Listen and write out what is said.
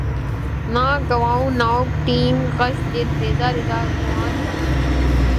نہ گنواؤ ناوک نیم کش دل ریزہ ریزہ گنوا دیا